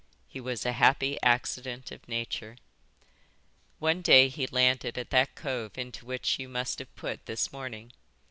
He was a happy accident of nature." "One day he landed at that cove into which you must have put this morning.